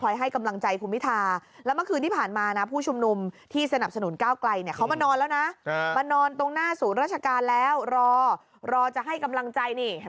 เราคือไปเก็บภาพมา